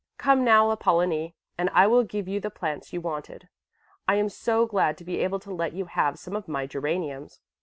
Come now, Apollonie, and I will give you the plants you wanted. I am so glad to be able to let you have some of my geraniums.